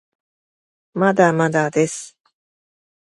まだまだです